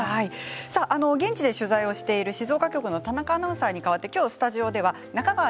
現地で取材をしている静岡局の田中アナウンサーに代わってスタジオでは中川安